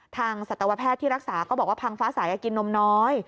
สัตวแพทย์ที่รักษาก็บอกว่าพังฟ้าสายกินนมน้อย